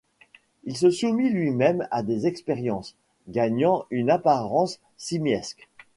Il se soumit lui-même à des expériences, gagnant une apparence simiesque.